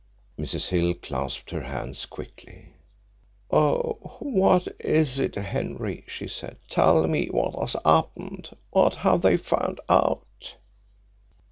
Mrs. Hill clasped her hands quickly. "Oh, what is it, Henry?" she said. "Tell me what has happened? What have they found out?"